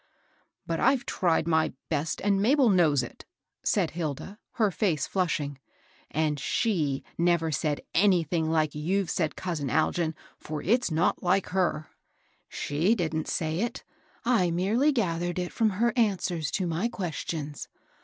" But IVe tried my best, and Mabel knows it,'* said Hilda, her face flushing. " And Bhe never said anything like what you've said, cousin Algin, for it's not like her." She didn't say it. I merely gathered it from her answers to my questions.